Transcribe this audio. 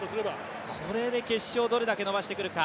これでどれだけ伸ばしてくるか。